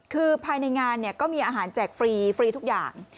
คือภายในงานก็มีอาหารแจกฟรีฟรีทุกอย่าง